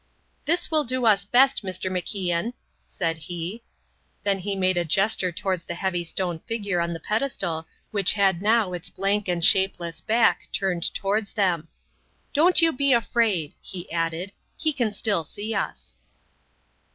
"This will do us best, Mr. MacIan," said he. Then he made a gesture towards the heavy stone figure on the pedestal which had now its blank and shapeless back turned towards them. "Don't you be afraid," he added, "he can still see us."